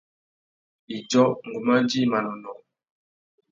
Idjô, ngu mà djï manônōh.